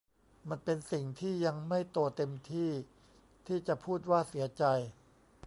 มันเป็นสิ่งที่ยังไม่โตเต็มที่ที่จะพูดว่าเสียใจ